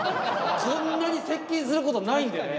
こんなに接近することないんでね。